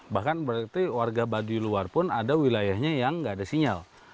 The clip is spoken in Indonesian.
bahkan berarti warga baduy luar pun ada wilayahnya yang nggak ada sinyal